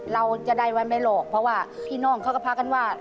เราจะได้ไว้ไม่หรอกเพราะว่าพี่น้องเขาก็พากันว่า